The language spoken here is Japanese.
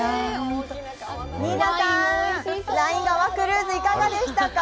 ニーナさん、ライン川クルーズ、いかがでしたか？